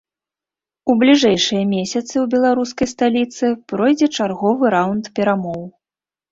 У бліжэйшыя месяцы ў беларускай сталіцы пройдзе чарговы раўнд перамоў.